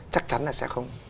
chắc chắn là sẽ không